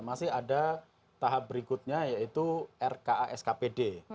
masih ada tahap berikutnya yaitu rka skpd